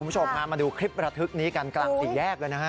คุณผู้ชมพามาดูคลิประทึกนี้กันกลางสี่แยกเลยนะฮะ